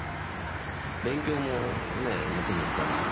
勉強もね手につかない。